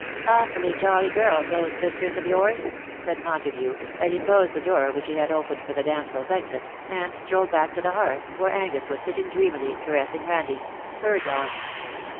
''^ Awfully jolly girls, those sisters of yours/"^ said Montagu, as he closed the door which he had opened for the damsels^ exit, and strolled back to the hearth, where Angus was sitting dreamily caressing Kandie— her dog